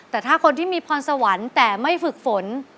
แต่ถ้าคนที่มีพรสวรรค์แต่ไม่ฝึกฝน